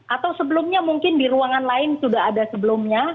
atau sebelumnya mungkin di ruangan lain sudah ada sebelumnya